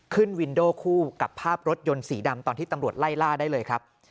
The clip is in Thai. วินโดคู่กับภาพรถยนต์สีดำตอนที่ตำรวจไล่ล่าได้เลยครับ